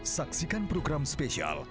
saksikan program spesial